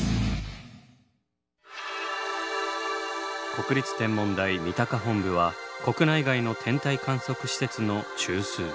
国立天文台三鷹本部は国内外の天体観測施設の中枢。